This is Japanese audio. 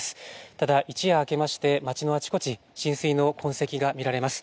ただ一夜明けまして、街のあちこち、浸水の痕跡が見られます。